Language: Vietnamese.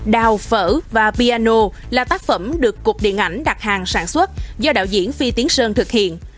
đào phở và piano là tác phẩm được cục điện ảnh đặt hàng sản xuất do đạo diễn phi tiến sơn thực hiện